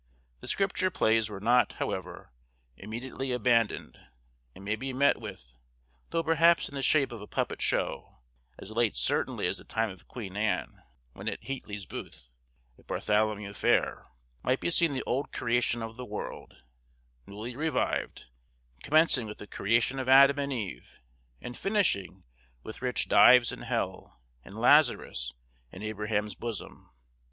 The scripture plays were not, however, immediately abandoned, and may be met with, though perhaps in the shape of a puppet show, as late certainly as the time of Queen Anne, when at Heatley's Booth, at Bartholomew Fair, might be seen the old Creation of the World, newly revived, commencing with the Creation of Adam and Eve, and finishing with rich Dives in Hell, and Lazarus in Abraham's bosom.